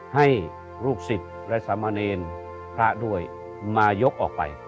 ให้ลูกศิษย์และสามเณรพระด้วยมายกออกไป